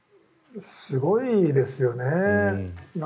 すごいですよね。